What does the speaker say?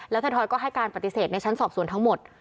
แล้วถอยก็ให้การปฏิเสธในชั้นสอบสวนทั้งหมด